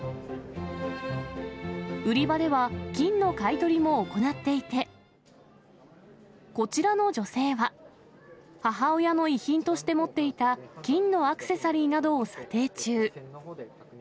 売り場では、金の買い取りも行っていて、こちらの女性は、母親の遺品として持っていた金のアクセサリーなどを査定中。